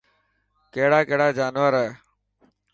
ڪهڙا ڪهڙا جانور هي.